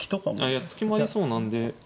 いや突きもありそうなんで。